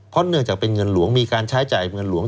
เพราะเนื่องจากเป็นเงินหลวงมีการใช้จ่ายเงินหลวง